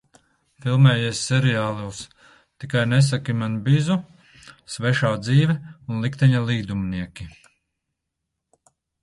"Filmējies seriālos "Tikai nesaki man Bizu", "Svešā dzīve" un "Likteņa līdumnieki"."